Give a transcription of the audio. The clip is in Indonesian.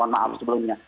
mohon maaf sebelumnya